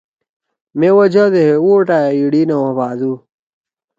مے وجہ دے ہے ووٹا ئے ایِڑی نہ ہو بھادُو